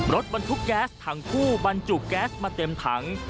รถบรรทุกแก๊สถังคู่บรรจุแก๊สมาเต็มถัง